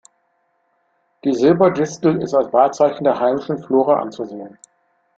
Die Silberdistel ist als Wahrzeichen der heimischen Flora anzusehen.